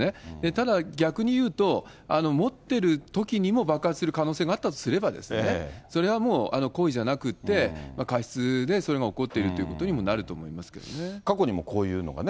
ただ、逆に言うと、持ってるときにも爆発する可能性があったとすれば、それはもう故意じゃなくて過失でそれが起こってるってことにもな過去にもこういうのがね。